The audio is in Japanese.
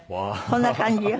こんな感じよ。